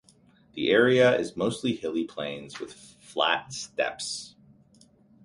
The area is mostly hilly plains with flat steppes.